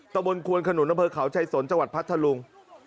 ตะบนควนขนุนระเบิดเขาชัยสนจังหวัดพัทธารุง